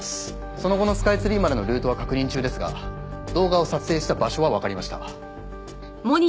その後のスカイツリーまでのルートは確認中ですが動画を撮影した場所はわかりました。